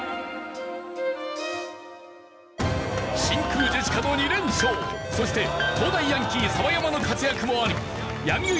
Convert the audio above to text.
真空ジェシカの２連勝そして東大ヤンキー澤山の活躍もありヤング